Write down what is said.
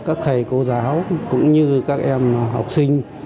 các thầy cô giáo cũng như các em học sinh